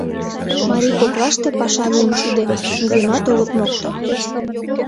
Марий коклаште, паша лийын шуде, нигӧмат огыт мокто.